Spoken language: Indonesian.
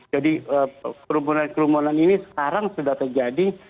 kerumunan kerumunan ini sekarang sudah terjadi